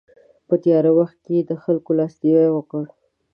په تیاره وخت کې یې د خلکو لاسنیوی وکړ.